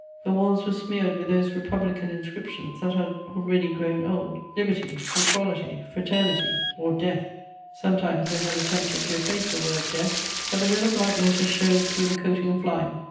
The walls were smeared with those Republican inscriptions that had already grown old: LIBERTY, EQUALITY, FRATERNITY, OR DEATH. Sometimes they had attempted to efface the word DEATH, but the red or black letters showed through the coating of lime.